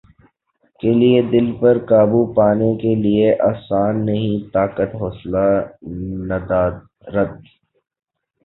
کے لیے دل پر قابو پانے کیلئے آسان نہیں طاقت حوصلہ ندارد